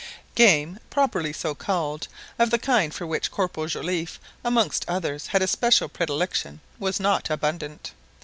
Game, properly so called, of the kind for which Corporal Joliffe amongst others had a special predilection, was not abundant.